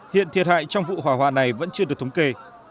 hiện thiệt hại trong vụ hỏa hoạn này vẫn chưa được thống kê